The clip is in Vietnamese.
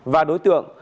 và đối tượng